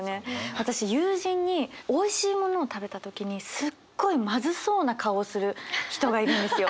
私友人においしいものを食べた時にすっごいまずそうな顔をする人がいるんですよ。